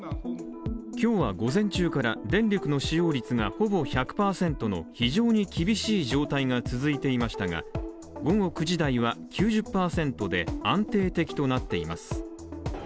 今日は午前中から電力の使用率がほぼ１００％の非常に厳しい状態が続いていましたが午後９時台は９０％で「安定的」となっています。